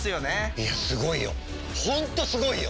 いやすごいよ